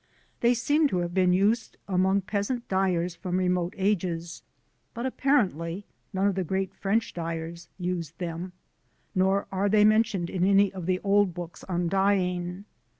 They seem to have been used among peasant dyers from remote ages, but apparently none of the great French dyers used them, nor are they mentioned in any of the old books on dyeing.